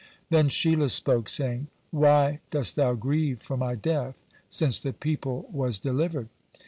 Then Sheilah spoke, saying: "Why dost thou grieve for my death, since the people was delivered?